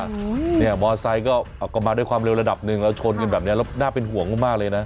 เนี่ยมอไซค์ก็มาด้วยความเร็วระดับหนึ่งแล้วชนกันแบบนี้แล้วน่าเป็นห่วงมากเลยนะ